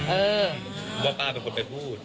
เออว่าป้าเป็นคนไปพูด